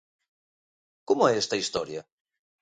Como é esta historia?